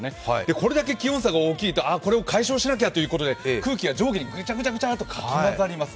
これだけ気温差が大きいと、これを解消しなきゃということで空気が上下にぐちゃぐちゃっとかき混ざります。